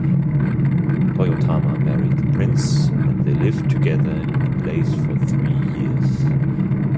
Toyotama married the prince, and they lived together in the place for three years.